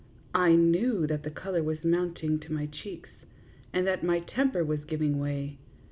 I knew that the color was mounting to my cheeks, and that my temper was giving way.